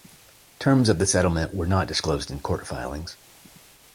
Terms of the settlement were not disclosed in court filings.